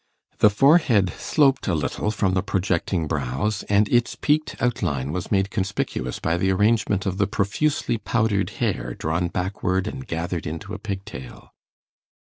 The forehead sloped a little from the projecting brows, and its peaked outline was made conspicuous by the arrangement of the profusely powdered hair, drawn backward and gathered into a pigtail.